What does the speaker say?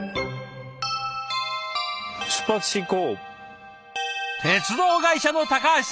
出発進行！